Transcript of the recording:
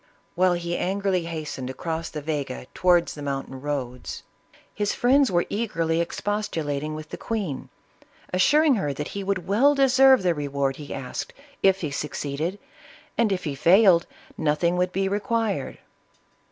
While he angrily hastened across the Vega towards the mountain roads, his friends were eagerly expostu lating with the queen, assuring her that he would well deserve the reward he asked, if he succeeded, and, if he failed, nothing would be required.